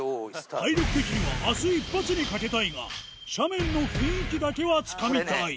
体力的にはあす一発にかけたいが、斜面の雰囲気だけはつかみたい。